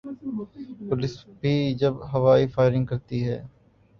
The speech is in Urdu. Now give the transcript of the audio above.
پولیس بھی جب ہوائی فائرنگ کرتی ہے۔